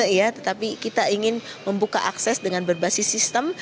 ya tetapi kita ingin membuka akses dengan berbasis sistem